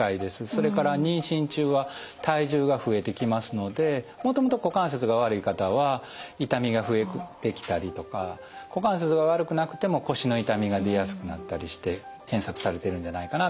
それから妊娠中は体重が増えてきますのでもともと股関節が悪い方は痛みが増えてきたりとか股関節が悪くなくても腰の痛みが出やすくなったりして検索されてるんじゃないかなと思います。